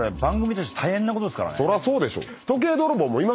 そらそうでしょ。